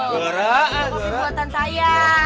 kok ini buatan saya